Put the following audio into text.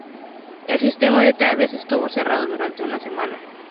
El sistema de tranvías estuvo cerrado durante una semana.